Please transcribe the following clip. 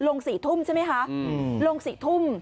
ลง๔ทุ่มใช่ไหมคะลง๔ทุ่ม